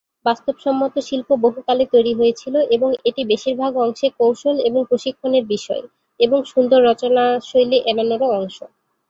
বাস্তবসম্মত শিল্প বহু কালে তৈরি হয়েছিল এবং এটি বেশিরভাগ অংশে কৌশল এবং প্রশিক্ষণের বিষয় এবং সুন্দর রচনাশৈলী এড়ানোর অংশও।